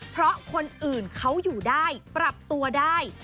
เพราะคนอื่นเขาอยู่ได้ปรับตัวได้